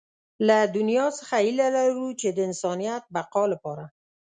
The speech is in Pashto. له دنيا څخه هيله لرو چې د انسانيت بقا لپاره.